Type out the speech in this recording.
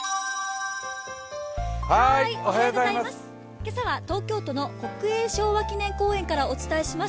今朝は東京都の国営昭和記念公園からお伝えします。